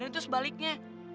dan itu sebaliknya